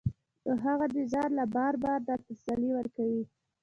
نو هغه دې ځان له بار بار دا تسلي ورکوي